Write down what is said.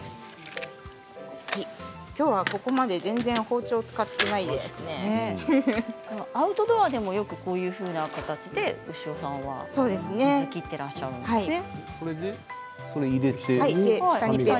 きょうは、ここまで全然、包丁を使っていないですがアウトドアでもこういう形で水を切っていらっしゃるんですね。